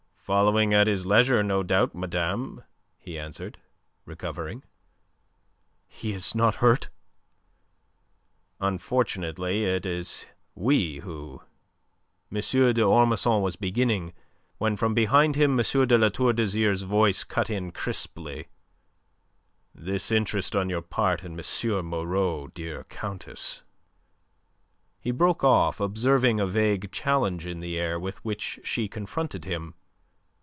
"Following at his leisure, no doubt, madame," he answered, recovering. "He is not hurt?" "Unfortunately it is we who..." M. d'Ormesson was beginning, when from behind him M. de La Tour d'Azyr's voice cut in crisply: "This interest on your part in M. Moreau, dear Countess..." He broke off, observing a vague challenge in the air with which she confronted him.